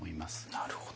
なるほど。